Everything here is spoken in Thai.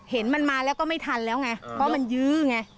เห็นมันมาแล้วก็ไม่ทันแล้วไงเพราะมันยื้อไง